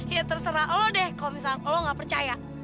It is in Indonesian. ya terserah lo deh kalo misalnya lo gak percaya